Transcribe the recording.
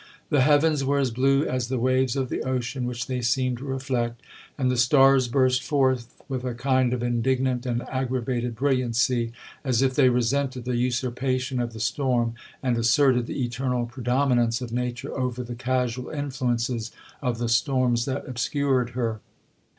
The heavens were as blue as the waves of the ocean, which they seemed to reflect; and the stars burst forth with a kind of indignant and aggravated brilliancy, as if they resented the usurpation of the storm, and asserted the eternal predominance of nature over the casual influences of the storms that obscured her.